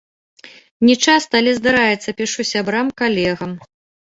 Не часта, але, здараецца, пішу сябрам, калегам.